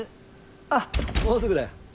あっもうすぐだよ。